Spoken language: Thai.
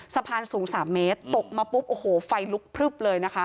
สะพานสูง๓เมตรตกมาปุ๊บโอ้โหไฟลุกพลึบเลยนะคะ